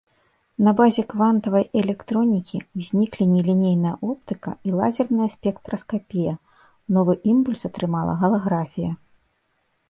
На базе квантавай электронікі ўзніклі нелінейная оптыка і лазерная спектраскапія, новы імпульс атрымала галаграфія.